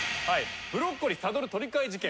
ブロッコリーサドル取り換え事件。